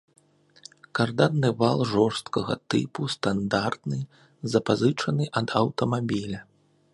Карданны вал жорсткага тыпу, стандартны, запазычаны ад аўтамабіля.